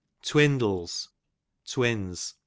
Twindles, twins.